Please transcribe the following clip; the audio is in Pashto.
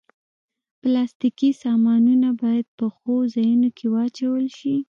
پلاستيکي سامانونه باید په ښو ځایونو کې واچول شي.